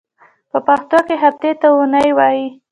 په پښتو کې هفتې ته اونۍ وایی.